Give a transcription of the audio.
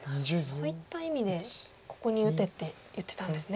そういった意味でここに打てって言ってたんですね。